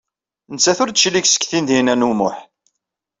Nettat ur d-teclig seg Tinhinan u Muḥ.